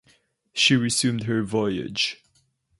She resumed her voyage.